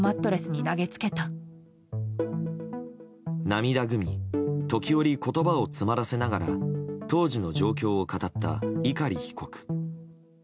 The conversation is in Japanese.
涙ぐみ時折、言葉を詰まらせながら当時の状況を語った碇被告。